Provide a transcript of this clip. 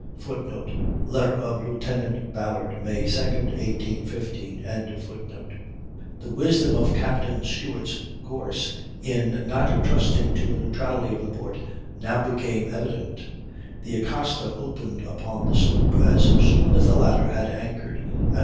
[Footnote: Letter of Lieutenant Ballard. May 2, 1815.] The wisdom of Captain Stewart's course in not trusting to the neutrality of the port, now became evident. The Acasta opened upon the sloop as soon as the latter had anchored, at 4.